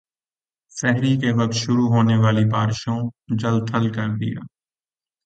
سحری کے وقت شروع ہونے والی بارشوں جل تھل کر دیا